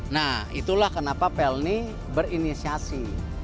nah itulah kenapa pelni berinisiasi